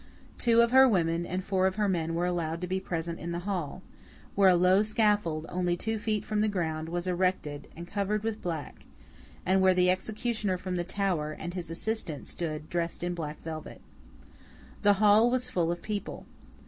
Two of her women and four of her men were allowed to be present in the hall; where a low scaffold, only two feet from the ground, was erected and covered with black; and where the executioner from the Tower, and his assistant, stood, dressed in black velvet. The hall was full of people.